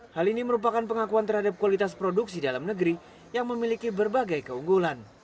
hal ini merupakan pengakuan terhadap kualitas produksi dalam negeri yang memiliki berbagai keunggulan